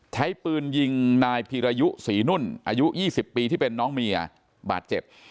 ใช้ปืนยิงนายพีรยุศรีนุ่นอายุ๒๐ปีที่เป็นน้องเมียบาดเจ็บ